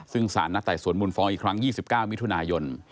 ซึ่งสารนัดไต่สวนมูลฟ้องอีกครั้ง๒๙มิถุนายน